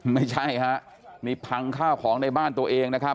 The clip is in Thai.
ไม่ใช่ฮะนี่พังข้าวของในบ้านตัวเองนะครับ